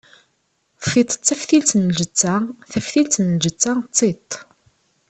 Tiṭ d taftilt n lǧetta, taftilt n lǧetta d tiṭ.